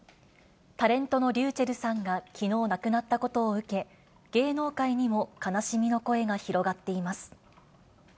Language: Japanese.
タレントのｒｙｕｃｈｅｌｌさんがきのう亡くなったことを受け、芸能界にも悲しみの声が広がっています。